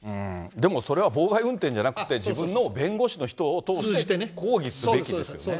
でもそれは妨害運転じゃなくて、自分の弁護士の人を通して抗議すべきですよね。